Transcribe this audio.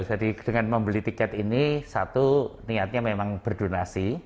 jadi dengan membeli tiket ini satu niatnya memang berdonasi